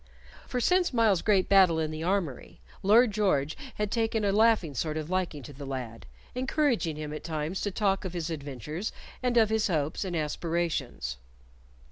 For since Myles's great battle in the armory, Lord George had taken a laughing sort of liking to the lad, encouraging him at times to talk of his adventures, and of his hopes and aspirations.